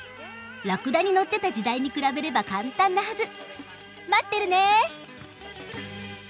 ラクダに乗ってた時代に比べれば簡単なはず。待ってるね！